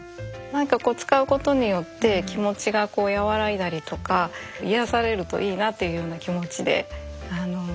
なんかこう使うことによって気持ちが和らいだりとか癒やされるといいなっていうような気持ちで作ってますね。